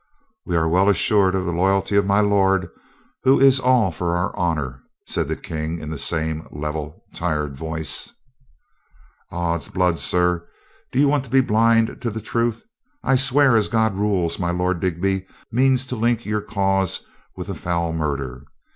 "We are well assured of the loyalty of my lord, who is all for our honor," said the King in the same level, tired voice. 356 COLONEL GREATHEART "Ods blood, sir, do you want to be blind to the truth? I swear as God rules, my Lord Digby means to link your cause with a foul murder.